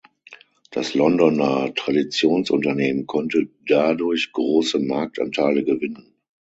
Das Londoner Traditionsunternehmen konnte dadurch große Marktanteile gewinnen.